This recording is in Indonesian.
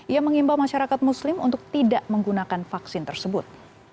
ia mengimbau masyarakat muslim untuk tidak menggunakan vaksin tersebut